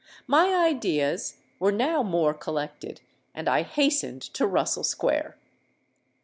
My ideas were now more collected; and I hastened to Russel Square.